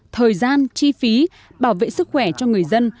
thời gian chi phí bảo vệ sức khỏe cho người dân